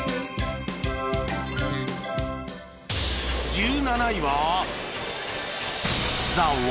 １７位は